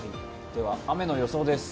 では、雨の予想です。